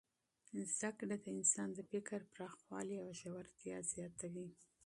زده کړه د انسان د فکر پراخوالی او ژورتیا زیاتوي.